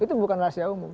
itu bukan rahasia umum